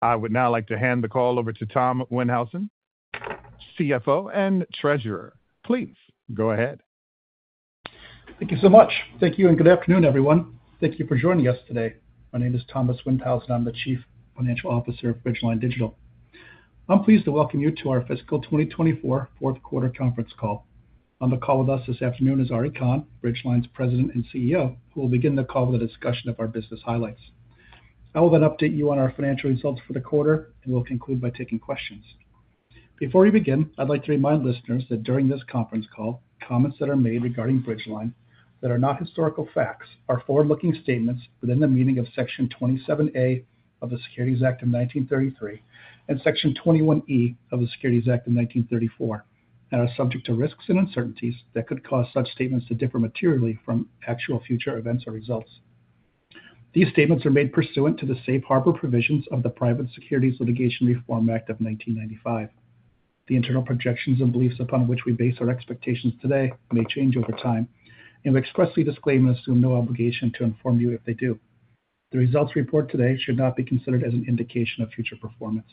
I would now like to hand the call over to Tom Windhausen, CFO and Treasurer. Please go ahead. Thank you so much. Thank you and good afternoon, everyone. Thank you for joining us today. My name is Thomas Windhausen. I'm the Chief Financial Officer of Bridgeline Digital. I'm pleased to welcome you to our Fiscal 2024 Fourth Quarter Conference Call. On the call with us this afternoon is Ari Kahn, Bridgeline's President and CEO, who will begin the call with a discussion of our business highlights. I will then update you on our financial results for the quarter, and we'll conclude by taking questions. Before we begin, I'd like to remind listeners that during this conference call, comments that are made regarding Bridgeline that are not historical facts are forward-looking statements within the meaning of Section 27A of the Securities Act of 1933 and Section 21E of the Securities Exchange Act of 1934, and are subject to risks and uncertainties that could cause such statements to differ materially from actual future events or results. These statements are made pursuant to the Safe Harbor provisions of the Private Securities Litigation Reform Act of 1995. The internal projections and beliefs upon which we base our expectations today may change over time, and we expressly disclaim and assume no obligation to inform you if they do. The results reported today should not be considered as an indication of future performance.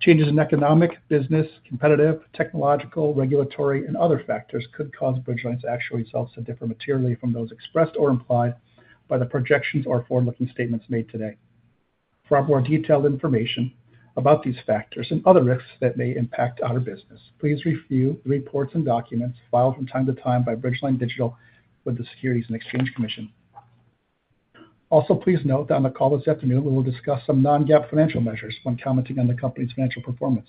Changes in economic, business, competitive, technological, regulatory, and other factors could cause Bridgeline's actual results to differ materially from those expressed or implied by the projections or forward-looking statements made today. For more detailed information about these factors and other risks that may impact our business, please review the reports and documents filed from time to time by Bridgeline Digital with the Securities and Exchange Commission. Also, please note that on the call this afternoon, we will discuss some non-GAAP financial measures when commenting on the company's financial performance.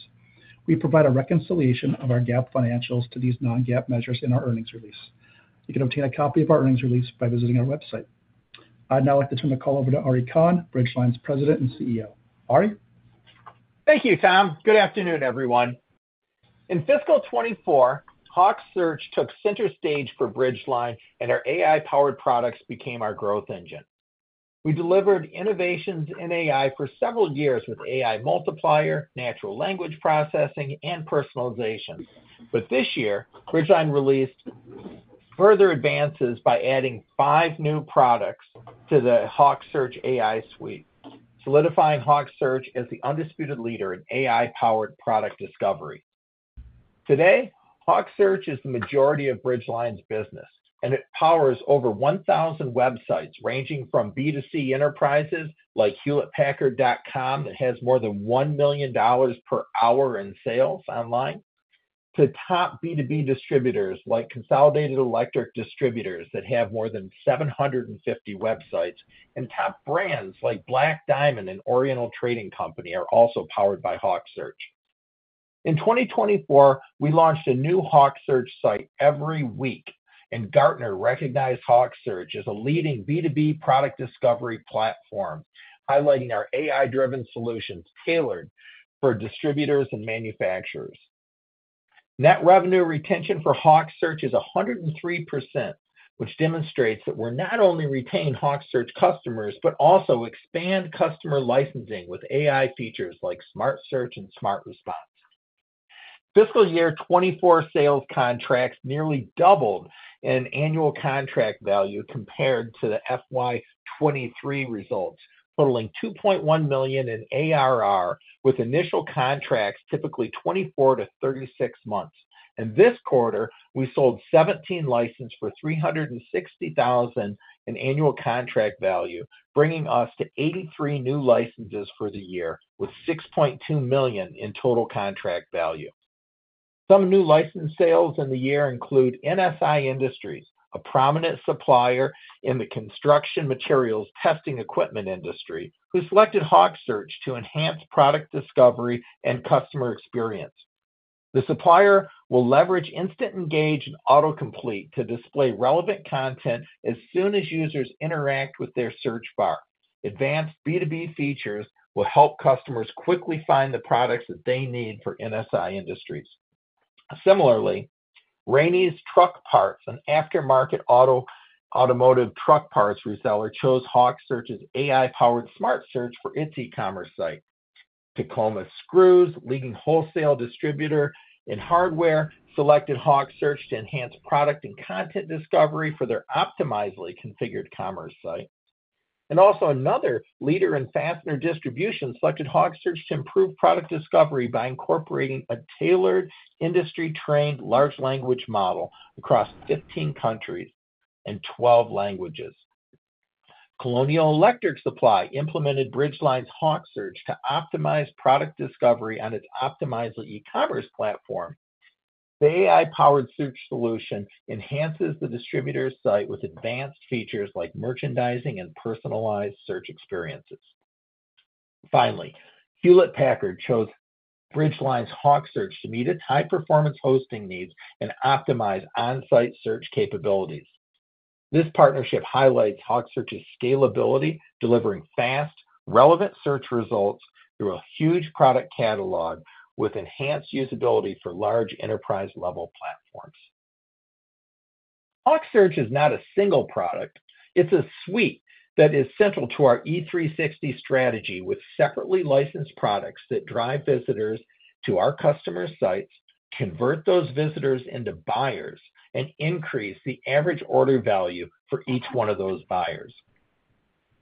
We provide a reconciliation of our GAAP financials to these non-GAAP measures in our earnings release. You can obtain a copy of our earnings release by visiting our website. I'd now like to turn the call over to Ari Kahn, Bridgeline's President and CEO. Ari. Thank you, Tom. Good afternoon, everyone. In Fiscal 2024, HawkSearch took center stage for Bridgeline, and our AI-powered products became our growth engine. We delivered innovations in AI for several years with AI Multiplier, natural language processing, and personalization. But this year, Bridgeline released further advances by adding five new products to the HawkSearch AI suite, solidifying HawkSearch as the undisputed leader in AI-powered product discovery. Today, HawkSearch is the majority of Bridgeline's business, and it powers over 1,000 websites ranging from B2C enterprises like hewlettpackard.com that has more than $1 million per hour in sales online to top B2B distributors like Consolidated Electric Distributors that have more than 750 websites, and top brands like Black Diamond and Oriental Trading Company are also powered by HawkSearch. In 2024, we launched a new HawkSearch site every week, and Gartner recognized HawkSearch as a leading B2B product discovery platform, highlighting our AI-driven solutions tailored for distributors and manufacturers. Net revenue retention for HawkSearch is 103%, which demonstrates that we're not only retaining HawkSearch customers but also expanding customer licensing with AI features like Smart Search and Smart Response. Fiscal year 2024 sales contracts nearly doubled in annual contract value compared to the FY 2023 results, totaling $2.1 million in ARR with initial contracts typically 24 to 36 months. In this quarter, we sold 17 licenses for $360,000 in annual contract value, bringing us to 83 new licenses for the year with $6.2 million in total contract value. Some new license sales in the year include NSI Industries, a prominent supplier in the construction materials testing equipment industry, who selected HawkSearch to enhance product discovery and customer experience. The supplier will leverage Instant Engage and Autocomplete to display relevant content as soon as users interact with their search bar. Advanced B2B features will help customers quickly find the products that they need for NSI Industries. Similarly, Raney's Truck Parts, an aftermarket automotive truck parts reseller, chose HawkSearch's AI-powered Smart Search for its e-commerce site. Tacoma Screw Products, a leading wholesale distributor in hardware, selected HawkSearch to enhance product and content discovery for their Optimizely-configured commerce site. Another leader in fastener distribution selected HawkSearch to improve product discovery by incorporating a tailored, industry-trained large language model across 15 countries and 12 languages. Colonial Electric Supply implemented Bridgeline's HawkSearch to optimize product discovery on its optimized e-commerce platform. The AI-powered search solution enhances the distributor's site with advanced features like merchandising and personalized search experiences. Finally, Hewlett-Packard chose Bridgeline's HawkSearch to meet its high-performance hosting needs and optimize onsite search capabilities. This partnership highlights HawkSearch's scalability, delivering fast, relevant search results through a huge product catalog with enhanced usability for large enterprise-level platforms. HawkSearch is not a single product. It's a suite that is central to our E360 strategy with separately licensed products that drive visitors to our customers' sites, convert those visitors into buyers, and increase the average order value for each one of those buyers.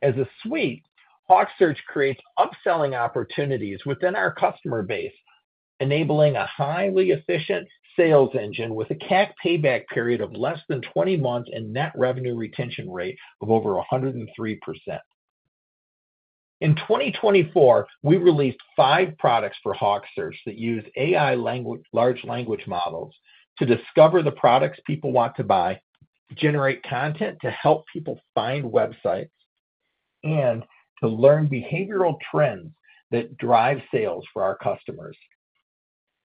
As a suite, HawkSearch creates upselling opportunities within our customer base, enabling a highly efficient sales engine with a CAC payback period of less than 20 months and a net revenue retention rate of over 103%. In 2024, we released five products for HawkSearch that use AI large language models to discover the products people want to buy, generate content to help people find websites, and to learn behavioral trends that drive sales for our customers.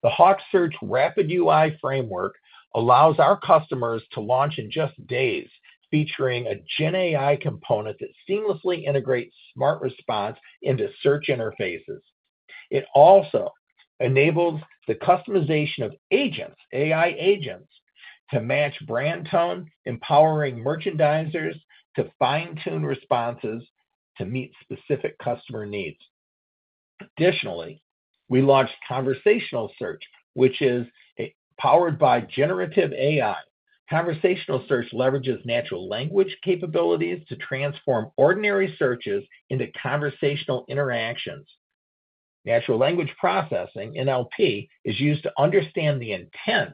The HawkSearch Rapid UI framework allows our customers to launch in just days, featuring a GenAI component that seamlessly integrates Smart Response into search interfaces. It also enables the customization of agents, AI agents, to match brand tone, empowering merchandisers to fine-tune responses to meet specific customer needs. Additionally, we launched Conversational Search, which is powered by generative AI. Conversational Search leverages natural language capabilities to transform ordinary searches into conversational interactions. Natural language processing, NLP, is used to understand the intent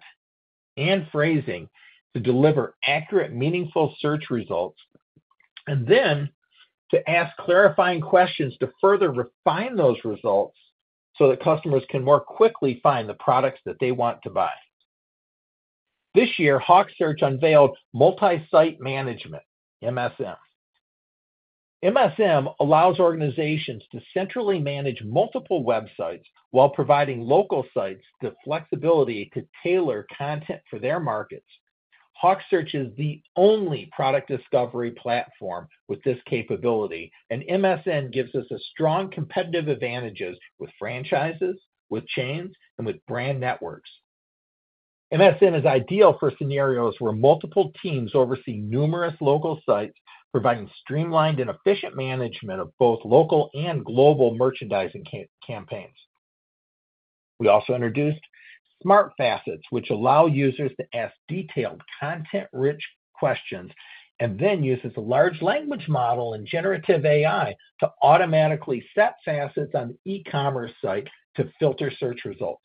and phrasing to deliver accurate, meaningful search results, and then to ask clarifying questions to further refine those results so that customers can more quickly find the products that they want to buy. This year, HawkSearch unveiled Multi-Site Management, MSM. MSM allows organizations to centrally manage multiple websites while providing local sites the flexibility to tailor content for their markets. HawkSearch is the only product discovery platform with this capability, and MSM gives us strong competitive advantages with franchises, with chains, and with brand networks. MSM is ideal for scenarios where multiple teams oversee numerous local sites, providing streamlined and efficient management of both local and global merchandising campaigns. We also introduced Smart Facets, which allow users to ask detailed, content-rich questions and then use this large language model and generative AI to automatically set facets on the e-commerce site to filter search results.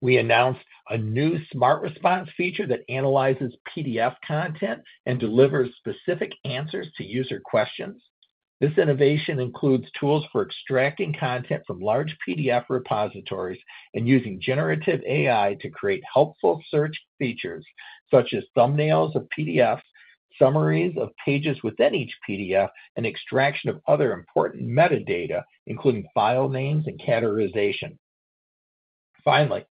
We announced a new Smart Response feature that analyzes PDF content and delivers specific answers to user questions. This innovation includes tools for extracting content from large PDF repositories and using generative AI to create helpful search features such as thumbnails of PDFs, summaries of pages within each PDF, and extraction of other important metadata, including file names and categorization. Finally,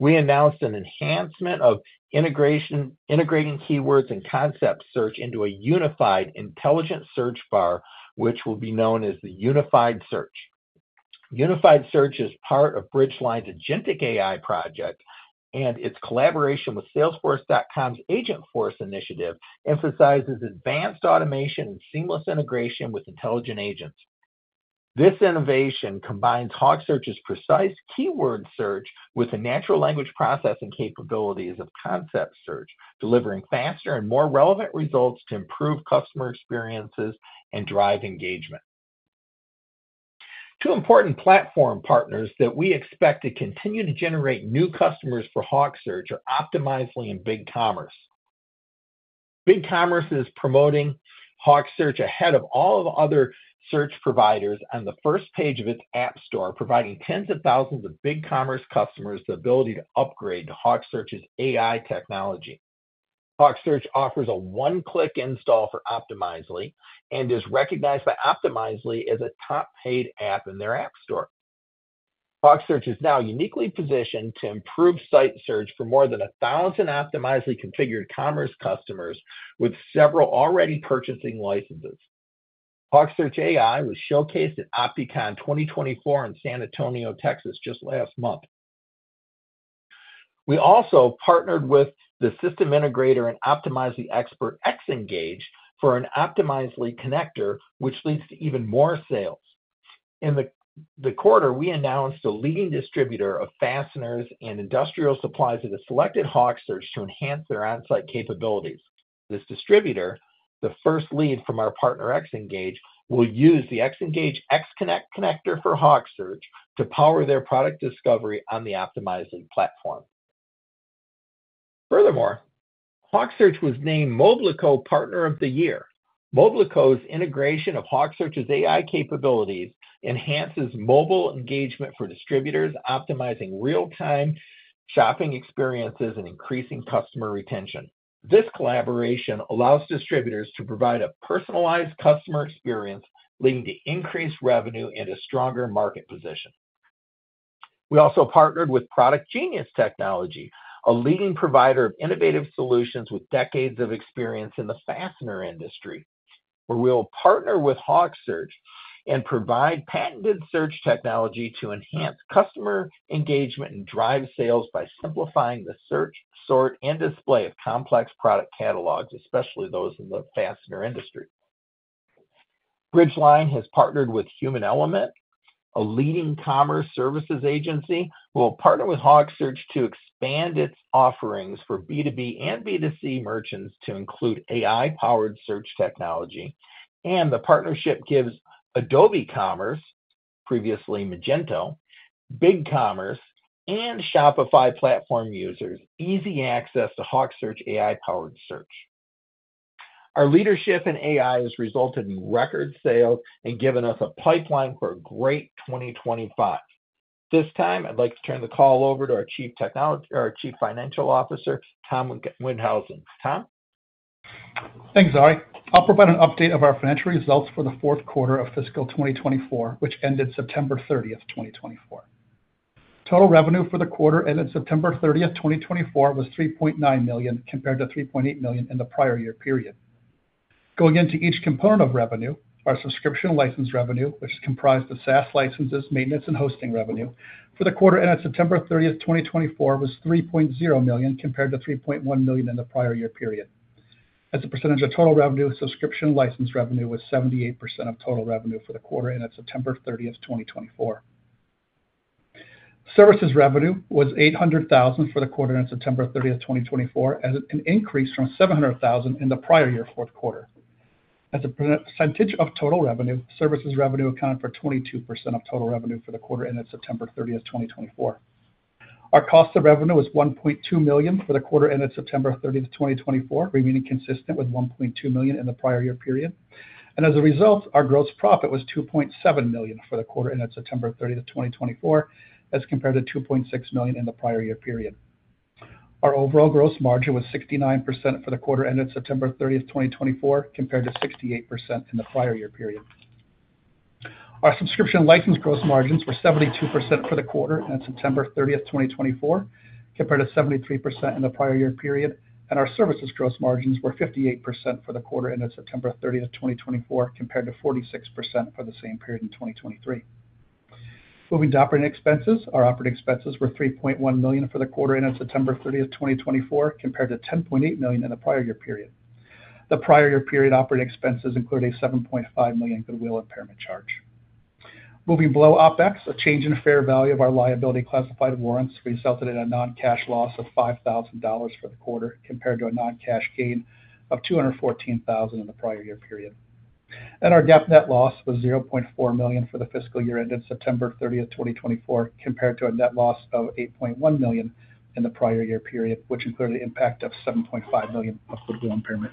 we announced an enhancement of integrating keywords and concept search into a unified intelligent search bar, which will be known as the Unified Search. Unified Search is part of Bridgeline's agentic AI project, and its collaboration with salesforce.com's Agentforce initiative emphasizes advanced automation and seamless integration with intelligent agents. This innovation combines HawkSearch's precise keyword search with the natural language processing capabilities of concept search, delivering faster and more relevant results to improve customer experiences and drive engagement. Two important platform partners that we expect to continue to generate new customers for HawkSearch are Optimizely and BigCommerce. BigCommerce is promoting HawkSearch ahead of all other search providers on the first page of its app store, providing tens of thousands of BigCommerce customers the ability to upgrade to HawkSearch's AI technology. HawkSearch offers a one-click install for Optimizely and is recognized by Optimizely as a top-paid app in their app store. HawkSearch is now uniquely positioned to improve site search for more than 1,000 Optimizely-configured commerce customers with several already purchasing licenses. HawkSearch AI was showcased at Opticon 2024 in San Antonio, Texas, just last month. We also partnered with the system integrator and Optimizely expert, Xngage, for an Optimizely connector, which leads to even more sales. In the quarter, we announced a leading distributor of fasteners and industrial supplies that has selected HawkSearch to enhance their onsite capabilities. This distributor, the first lead from our partner Xngage, will use the Xngage X-Connect connector for HawkSearch to power their product discovery on the Optimizely platform. Furthermore, HawkSearch was named Moblico Partner of the Year. Moblico's integration of HawkSearch's AI capabilities enhances mobile engagement for distributors, optimizing real-time shopping experiences and increasing customer retention. This collaboration allows distributors to provide a personalized customer experience, leading to increased revenue and a stronger market position. We also partnered with Product Genius Technology, a leading provider of innovative solutions with decades of experience in the fastener industry, where we will partner with HawkSearch and provide patented search technology to enhance customer engagement and drive sales by simplifying the search, sort, and display of complex product catalogs, especially those in the fastener industry. Bridgeline has partnered with Human Element, a leading commerce services agency, who will partner with HawkSearch to expand its offerings for B2B and B2C merchants to include AI-powered search technology, and the partnership gives Adobe Commerce, previously Magento, BigCommerce, and Shopify platform users easy access to HawkSearch AI-powered search. Our leadership in AI has resulted in record sales and given us a pipeline for a great 2025. This time, I'd like to turn the call over to our Chief Financial Officer, Tom Windhausen. Tom? Thanks, Ari. I'll provide an update of our financial results for the fourth quarter of fiscal 2024, which ended September 30, 2024. Total revenue for the quarter ended September 30, 2024, was $3.9 million compared to $3.8 million in the prior year period. Going into each component of revenue, our subscription license revenue, which comprised the SaaS licenses, maintenance, and hosting revenue, for the quarter ended September 30, 2024, was $3.0 million compared to $3.1 million in the prior year period. As a percentage of total revenue, subscription license revenue was 78% of total revenue for the quarter ended September 30, 2024. Services revenue was $800,000 for the quarter ended September 30, 2024, as an increase from $700,000 in the prior year fourth quarter. As a percentage of total revenue, services revenue accounted for 22% of total revenue for the quarter ended September 30, 2024. Our cost of revenue was $1.2 million for the quarter ended September 30, 2024, remaining consistent with $1.2 million in the prior year period. And as a result, our gross profit was $2.7 million for the quarter ended September 30, 2024, as compared to $2.6 million in the prior year period. Our overall gross margin was 69% for the quarter ended September 30, 2024, compared to 68% in the prior year period. Our subscription license gross margins were 72% for the quarter ended September 30, 2024, compared to 73% in the prior year period. And our services gross margins were 58% for the quarter ended September 30, 2024, compared to 46% for the same period in 2023. Moving to operating expenses, our operating expenses were $3.1 million for the quarter ended September 30, 2024, compared to $10.8 million in the prior year period. The prior year period operating expenses included a $7.5 million goodwill impairment charge. Moving below OpEx, a change in fair value of our liability-classified warrants resulted in a non-cash loss of $5,000 for the quarter, compared to a non-cash gain of $214,000 in the prior year period, and our GAAP net loss was $0.4 million for the fiscal year ended September 30, 2024, compared to a net loss of $8.1 million in the prior year period, which included an impact of $7.5 million of goodwill impairment.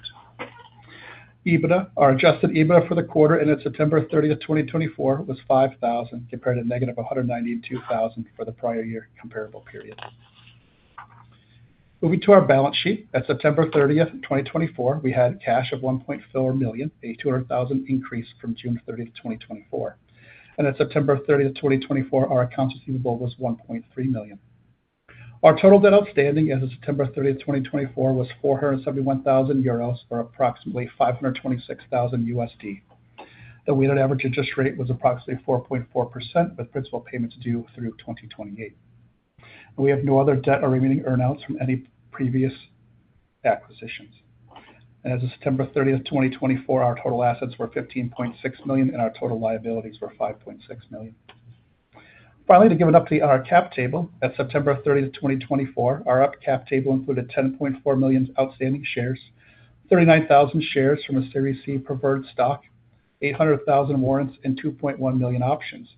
EBITDA, our adjusted EBITDA for the quarter ended September 30, 2024, was $5,000, compared to negative $192,000 for the prior year comparable period. Moving to our balance sheet, at September 30, 2024, we had cash of $1.4 million, a $200,000 increase from June 30, 2024, and at September 30, 2024, our accounts receivable was $1.3 million. Our total debt outstanding as of September 30, 2024, was 471,000 euros for approximately $526,000. The weighted average interest rate was approximately 4.4%, with principal payments due through 2028. We have no other debt or remaining earnouts from any previous acquisitions, and as of September 30, 2024, our total assets were $15.6 million, and our total liabilities were $5.6 million. Finally, to give an update on our cap table, at September 30, 2024, our updated cap table included $10.4 million outstanding shares, 39,000 shares from a Series C preferred stock, 800,000 warrants, and 2.1 million options.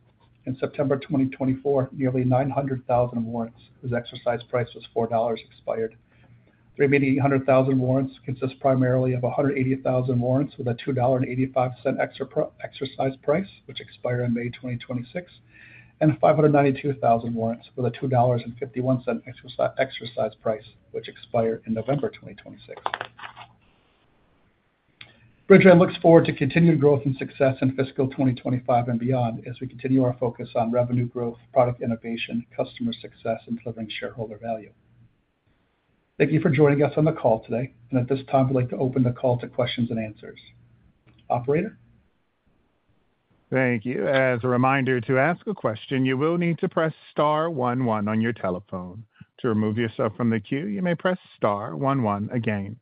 In September 2024, nearly 900,000 warrants whose exercise price was $4 expired. The remaining 800,000 warrants consist primarily of 180,000 warrants with a $2.85 exercise price, which expired in May 2026, and 592,000 warrants with a $2.51 exercise price, which expired in November 2026. Bridgeline looks forward to continued growth and success in fiscal 2025 and beyond as we continue our focus on revenue growth, product innovation, customer success, and delivering shareholder value. Thank you for joining us on the call today, and at this time, we'd like to open the call to questions and answers. Operator? Thank you. As a reminder to ask a question, you will need to press star one one on your telephone. To remove yourself from the queue, you may press star one one again.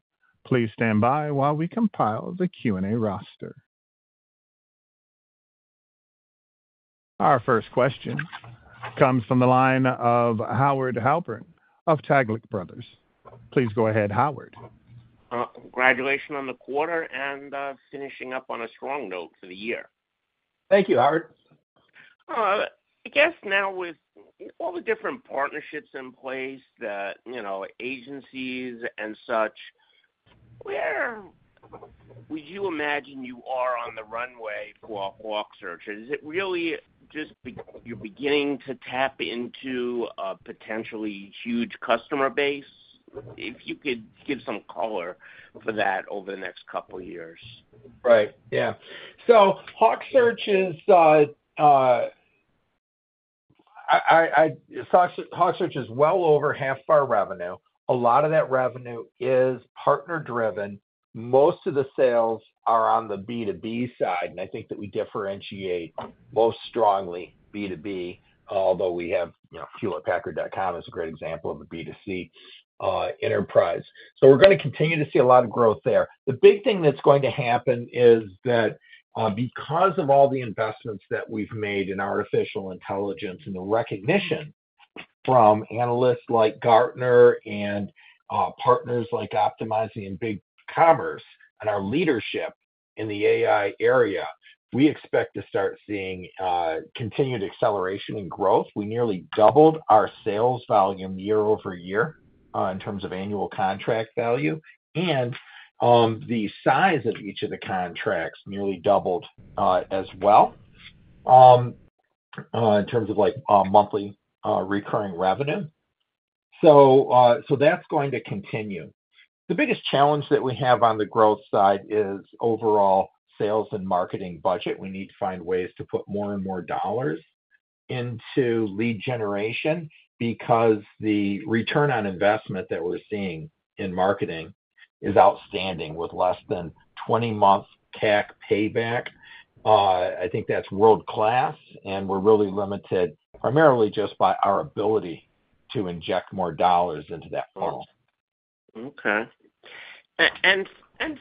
Please stand by while we compile the Q&A roster. Our first question comes from the line of Howard Halpern of Taglich Brothers. Please go ahead, Howard. Congratulations on the quarter and finishing up on a strong note for the year. Thank you, Howard. I guess now with all the different partnerships in place that agencies and such, where would you imagine you are on the runway for HawkSearch? Is it really just you're beginning to tap into a potentially huge customer base? If you could give some color for that over the next couple of years. Right. Yeah. So HawkSearch is well over half our revenue. A lot of that revenue is partner-driven. Most of the sales are on the B2B side. And I think that we differentiate most strongly B2B, although we have hewlettpackard.com as a great example of a B2C enterprise. So we're going to continue to see a lot of growth there. The big thing that's going to happen is that because of all the investments that we've made in artificial intelligence and the recognition from analysts like Gartner and partners like Optimizely and BigCommerce and our leadership in the AI area, we expect to start seeing continued acceleration and growth. We nearly doubled our sales volume year over year in terms of annual contract value, and the size of each of the contracts nearly doubled as well in terms of monthly recurring revenue, so that's going to continue. The biggest challenge that we have on the growth side is overall sales and marketing budget. We need to find ways to put more and more dollars into lead generation because the return on investment that we're seeing in marketing is outstanding with less than 20-month CAC payback. I think that's world-class. And we're really limited primarily just by our ability to inject more dollars into that funnel. Okay. And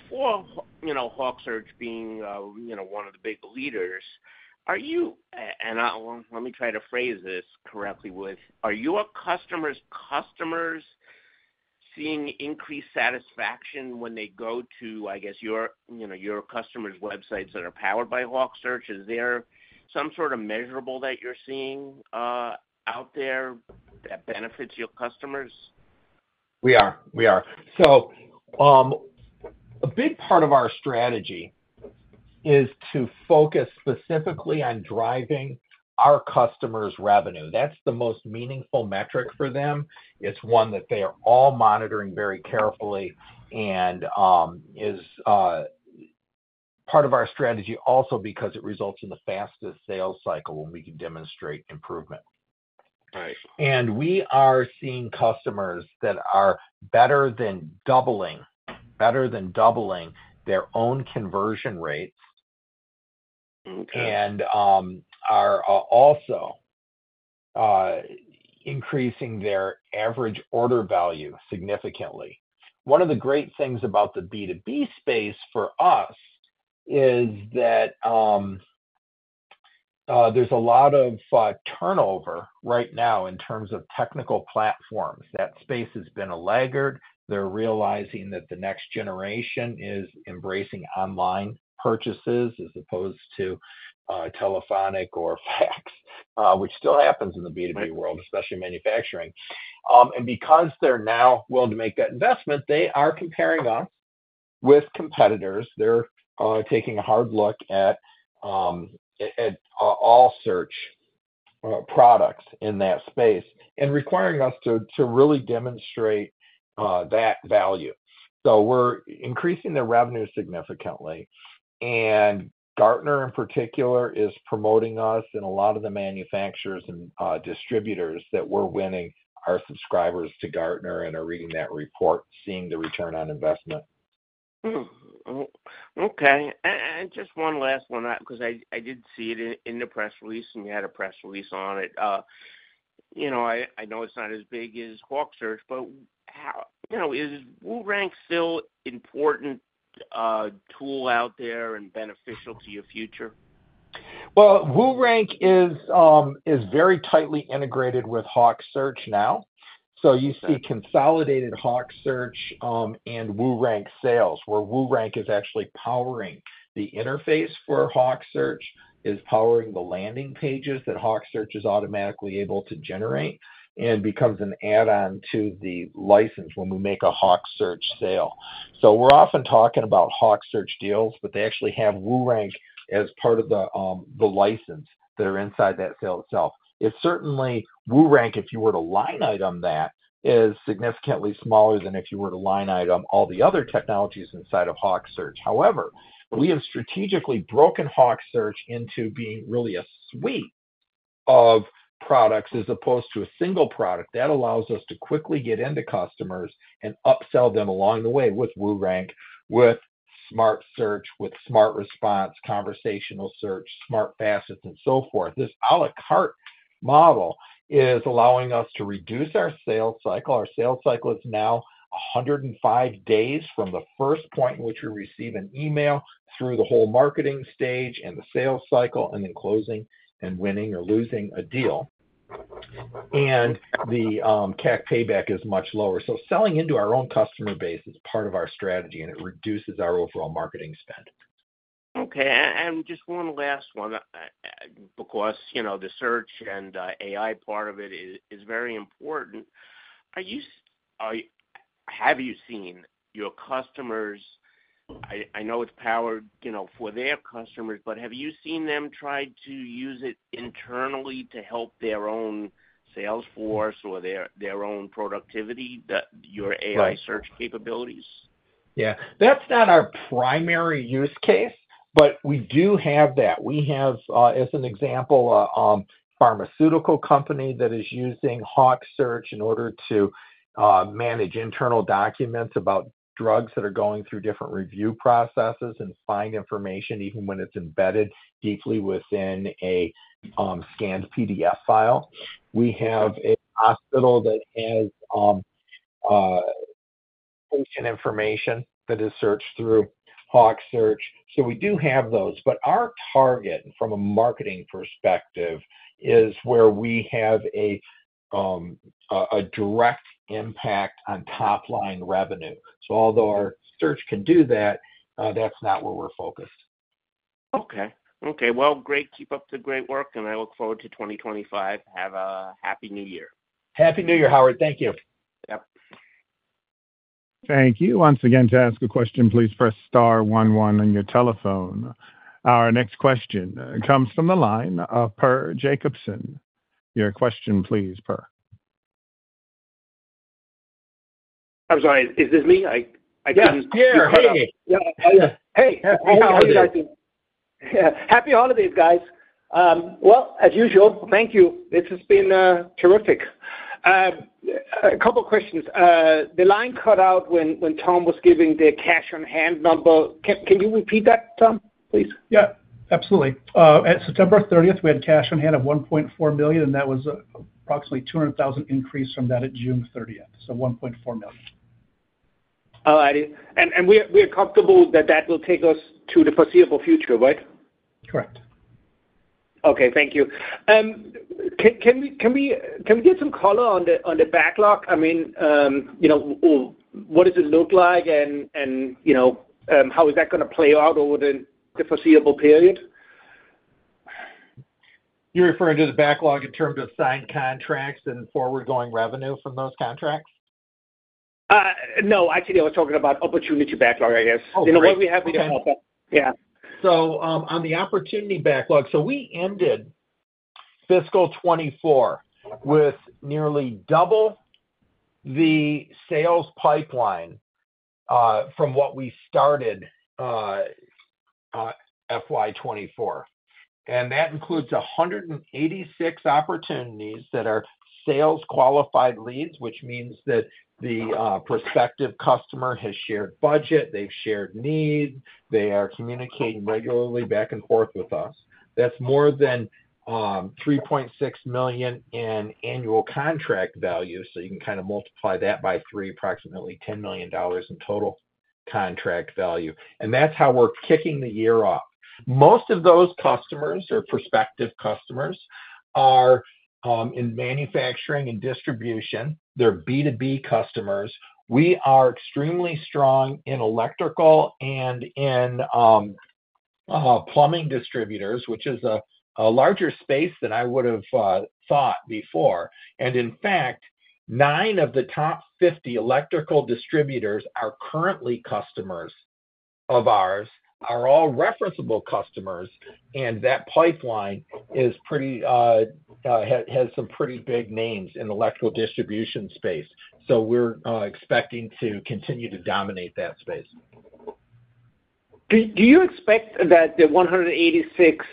for HawkSearch being one of the big leaders, are you-and let me try to phrase this correctly-are your customers' customers seeing increased satisfaction when they go to, I guess, your customers' websites that are powered by HawkSearch? Is there some sort of measurable that you're seeing out there that benefits your customers? We are. We are. So a big part of our strategy is to focus specifically on driving our customers' revenue. That's the most meaningful metric for them. It's one that they are all monitoring very carefully and is part of our strategy also because it results in the fastest sales cycle when we can demonstrate improvement. And we are seeing customers that are better than doubling their own conversion rates and are also increasing their average order value significantly. One of the great things about the B2B space for us is that there's a lot of turnover right now in terms of technical platforms. That space has been a laggard. They're realizing that the next generation is embracing online purchases as opposed to telephonic or fax, which still happens in the B2B world, especially manufacturing, and because they're now willing to make that investment, they are comparing us with competitors. They're taking a hard look at all search products in that space and requiring us to really demonstrate that value, so we're increasing their revenue significantly, and Gartner, in particular, is promoting us and a lot of the manufacturers and distributors that we're winning our subscribers to Gartner and are reading that report, seeing the return on investment. Okay. And just one last one because I did see it in the press release, and you had a press release on it. I know it's not as big as HawkSearch, but is WooRank still an important tool out there and beneficial to your future? Well, WooRank is very tightly integrated with HawkSearch now. So you see consolidated HawkSearch and WooRank sales, where WooRank is actually powering the interface for HawkSearch, is powering the landing pages that HawkSearch is automatically able to generate and becomes an add-on to the license when we make a HawkSearch sale. So we're often talking about HawkSearch deals, but they actually have WooRank as part of the license that are inside that sale itself. It's certainly WooRank, if you were to line item that, is significantly smaller than if you were to line item all the other technologies inside of HawkSearch. However, we have strategically broken HawkSearch into being really a suite of products as opposed to a single product that allows us to quickly get into customers and upsell them along the way with WooRank, with Smart Search, with Smart Response, Conversational Search, Smart Facets, and so forth. This à la carte model is allowing us to reduce our sales cycle. Our sales cycle is now 105 days from the first point in which we receive an email through the whole marketing stage and the sales cycle and then closing and winning or losing a deal. And the CAC payback is much lower. So selling into our own customer base is part of our strategy, and it reduces our overall marketing spend. Okay. And just one last one because the search and AI part of it is very important. Have you seen your customers? I know it's powered for their customers, but have you seen them try to use it internally to help their own sales force or their own productivity, your AI search capabilities? Yeah. That's not our primary use case, but we do have that. We have, as an example, a pharmaceutical company that is using HawkSearch in order to manage internal documents about drugs that are going through different review processes and find information even when it's embedded deeply within a scanned PDF file. We have a hospital that has patient information that is searched through HawkSearch. So we do have those. But our target from a marketing perspective is where we have a direct impact on top-line revenue. So although our search can do that, that's not where we're focused. Okay. Okay. Well, great. Keep up the great work, and I look forward to 2025. Have a happy new year. Happy new year, Howard. Thank you. Yep. Thank you. Once again, to ask a question, please press star one one on your telephone. Our next question comes from the line of Per Jacobsen. Your question, please, Per. I'm sorry. Is this me? I didn't hear you. Yeah. Yeah. Hey. Hey. How are you guys? Yeah. Happy holidays, guys. Well, as usual, thank you. This has been terrific. A couple of questions. The line cut out when Tom was giving the cash-on-hand number. Can you repeat that, Tom, please? Yeah. Absolutely. At September 30th, we had cash on hand of $1.4 million, and that was an approximately $200,000 increase from that at June 30th. So $1.4 million. All righty. And we are comfortable that that will take us to the foreseeable future, right? Correct. Okay. Thank you. Can we get some color on the backlog? I mean, what does it look like, and how is that going to play out over the foreseeable period? You're referring to the backlog in terms of signed contracts and forward-going revenue from those contracts? No. Actually, I was talking about opportunity backlog, I guess. In a way, we have the backlog. Yeah. So on the opportunity backlog, so we ended fiscal 2024 with nearly double the sales pipeline from what we started FY 2024. And that includes 186 opportunities that are sales-qualified leads, which means that the prospective customer has shared budget, they've shared needs, they are communicating regularly back and forth with us. That's more than $3.6 million in annual contract value. So you can kind of multiply that by three, approximately $10 million in total contract value. And that's how we're kicking the year off. Most of those customers, their prospective customers, are in manufacturing and distribution. They're B2B customers. We are extremely strong in electrical and in plumbing distributors, which is a larger space than I would have thought before, and in fact, nine of the top 50 electrical distributors are currently customers of ours, are all referenceable customers, and that pipeline has some pretty big names in the electrical distribution space, so we're expecting to continue to dominate that space. Do you expect that the 186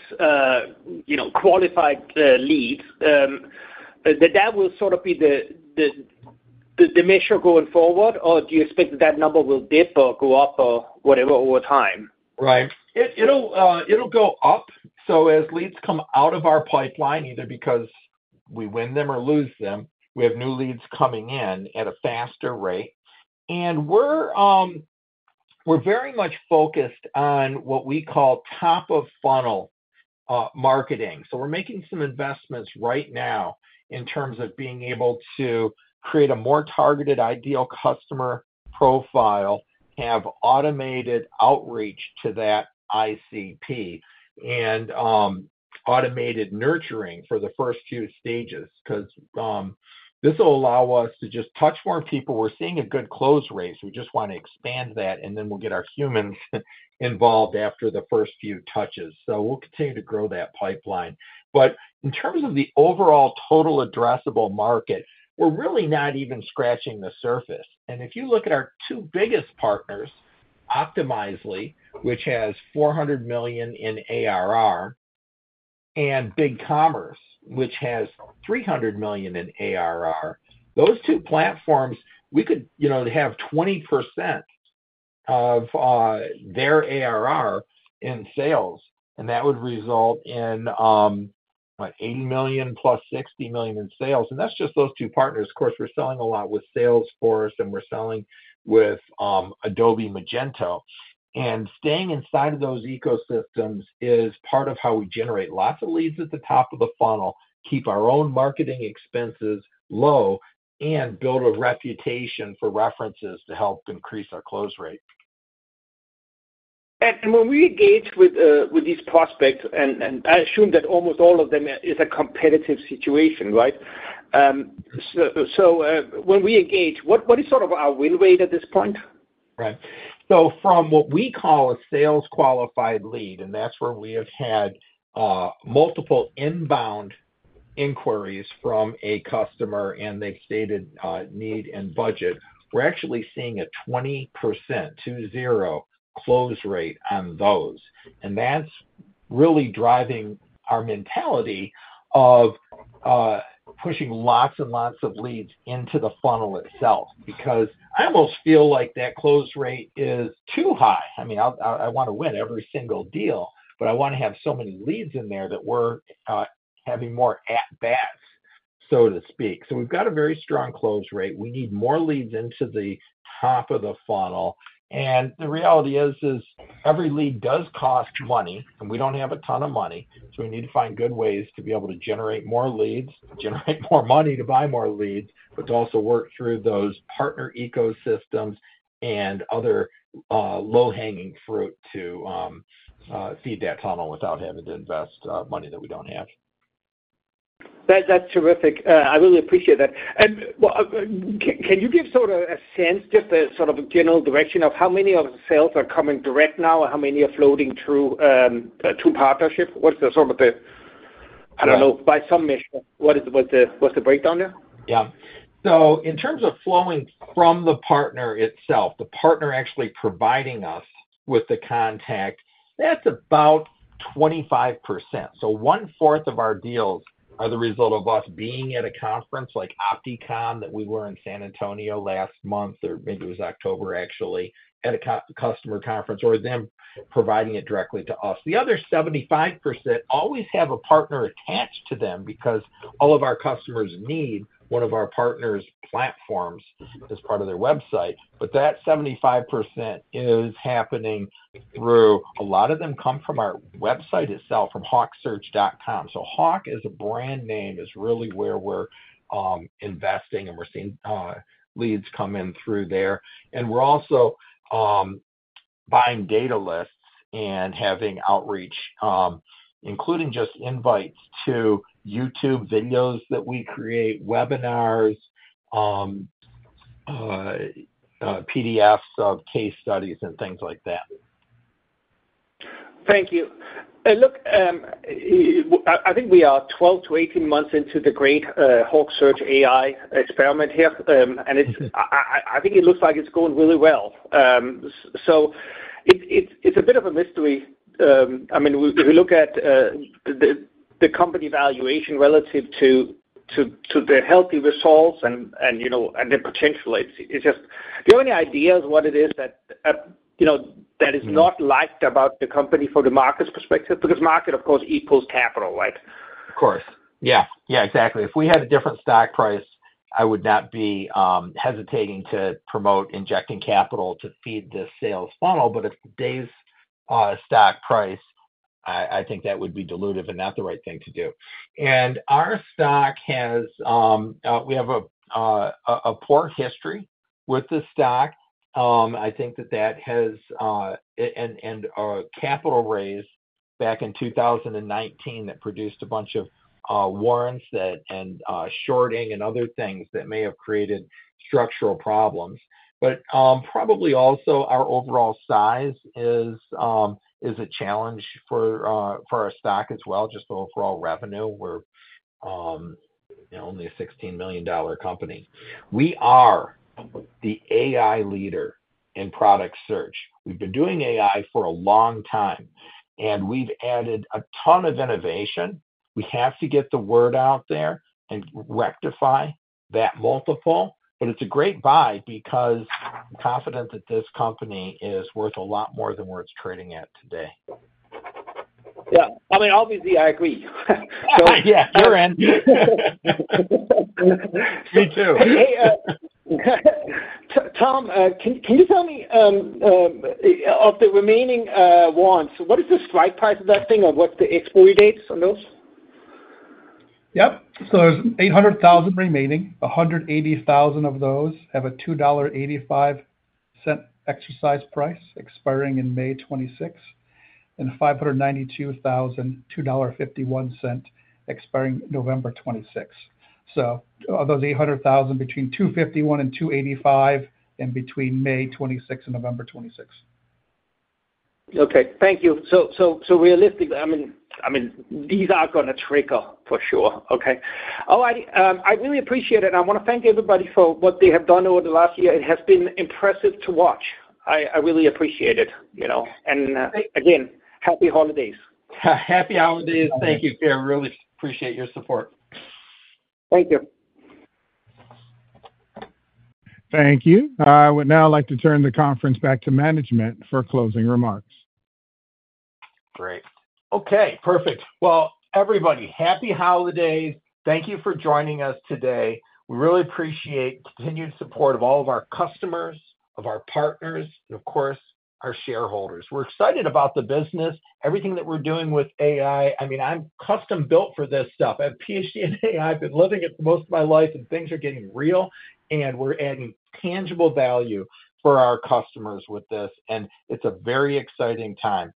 qualified leads, that that will sort of be the measure going forward, or do you expect that that number will dip or go up or whatever over time? Right. It'll go up, so as leads come out of our pipeline, either because we win them or lose them, we have new leads coming in at a faster rate, and we're very much focused on what we call top-of-funnel marketing. So we're making some investments right now in terms of being able to create a more targeted ideal customer profile, have automated outreach to that ICP, and automated nurturing for the first few stages because this will allow us to just touch more people. We're seeing a good close rate. So we just want to expand that, and then we'll get our humans involved after the first few touches. So we'll continue to grow that pipeline. But in terms of the overall total addressable market, we're really not even scratching the surface. And if you look at our two biggest partners, Optimizely, which has $400 million in ARR, and BigCommerce, which has $300 million in ARR, those two platforms, we could have 20% of their ARR in sales. And that would result in, what, $80 million plus $60 million in sales. And that's just those two partners. Of course, we're selling a lot with Salesforce, and we're selling with Adobe Magento, and staying inside of those ecosystems is part of how we generate lots of leads at the top of the funnel, keep our own marketing expenses low, and build a reputation for references to help increase our close rate. When we engage with these prospects, and I assume that almost all of them is a competitive situation, right? When we engage, what is sort of our win rate at this point? Right. From what we call a sales-qualified lead, and that's where we have had multiple inbound inquiries from a customer and they stated need and budget, we're actually seeing a 20%, 2-0 close rate on those. And that's really driving our mentality of pushing lots and lots of leads into the funnel itself because I almost feel like that close rate is too high. I mean, I want to win every single deal, but I want to have so many leads in there that we're having more at-bats, so to speak. So we've got a very strong close rate. We need more leads into the top of the funnel. And the reality is, every lead does cost money, and we don't have a ton of money. So we need to find good ways to be able to generate more leads, generate more money to buy more leads, but to also work through those partner ecosystems and other low-hanging fruit to feed that funnel without having to invest money that we don't have. That's terrific. I really appreciate that. Can you give sort of a sense, just a sort of general direction of how many of the sales are coming direct now or how many are floating through partnership? What's the sort of the, I don't know, by some measure, what's the breakdown there? Yeah, so in terms of flowing from the partner itself, the partner actually providing us with the contact, that's about 25%, so one-fourth of our deals are the result of us being at a conference like Opticon that we were in San Antonio last month, or maybe it was October, actually, at a customer conference, or them providing it directly to us. The other 75% always have a partner attached to them because all of our customers need one of our partner's platforms as part of their website. But that 75% is happening through a lot of them come from our website itself, from HawkSearch.com. So HawkSearch as a brand name is really where we're investing, and we're seeing leads come in through there. And we're also buying data lists and having outreach, including just invites to YouTube videos that we create, webinars, PDFs of case studies, and things like that. Thank you. Look, I think we are 12-18 months into the great HawkSearch AI experiment here. And I think it looks like it's going really well. So it's a bit of a mystery. I mean, if you look at the company valuation relative to the healthy results and the potential, it's just. Do you have any ideas what it is that is not liked about the company from the market's perspective? Because market, of course, equals capital, right? Of course. Yeah. Exactly. If we had a different stock price, I would not be hesitating to promote injecting capital to feed the sales funnel. But if today's stock price, I think that would be dilutive and not the right thing to do. And our stock, we have a poor history with the stock. I think that has, and a capital raise back in 2019 that produced a bunch of warrants and shorting and other things that may have created structural problems. But probably also our overall size is a challenge for our stock as well, just the overall revenue. We're only a $16 million company. We are the AI leader in product search. We've been doing AI for a long time, and we've added a ton of innovation. We have to get the word out there and rectify that multiple. But it's a great buy because I'm confident that this company is worth a lot more than where it's trading at today. Yeah. I mean, obviously, I agree. So yeah, you're in. Me too. Tom, can you tell me of the remaining warrants? What is the strike price of that thing? What's the expiry dates on those? Yep. So there's 800,000 remaining. 180,000 of those have a $2.85 exercise price expiring in May 2026 and 592,000, $2.51 expiring November 2026. So those 800,000 between 251 and 285 and between May 2026 and November 2026. Okay. Thank you. So realistically, I mean, these are going to trigger for sure. Okay. All righty. I really appreciate it. I want to thank everybody for what they have done over the last year. It has been impressive to watch. I really appreciate it. And again, happy holidays. Happy holidays. Thank you, Per. Really appreciate your support. Thank you. Thank you. I would now like to turn the conference back to management for closing remarks. Great. Okay. Perfect. Well, everybody, happy holidays. Thank you for joining us today. We really appreciate continued support of all of our customers, of our partners, and of course, our shareholders. We're excited about the business, everything that we're doing with AI. I mean, I'm custom-built for this stuff. I have PhD in AI. I've been living it for most of my life, and things are getting real, and we're adding tangible value for our customers with this, and it's a very exciting time.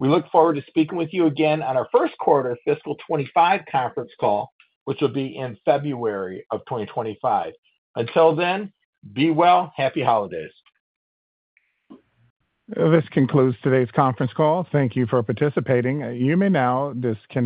We look forward to speaking with you again on our first quarter fiscal 2025 conference call, which will be in February of 2025. Until then, be well, happy holidays. This concludes today's conference call. Thank you for participating. You may now disconnect.